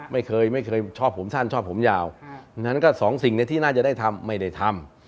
ไม่เคยไม่เคยชอบผมสั้นชอบผมยาวดังนั้นก็สองสิ่งที่น่าจะได้ทำไม่ได้ทำ